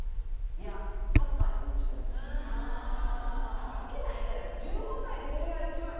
なわけないじゃないですか。